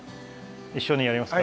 一緒にやりますか？